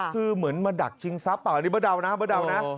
คือเหมือนมาดักชิงทรัพย์อันนี้เป้านะเบอร์เดานะ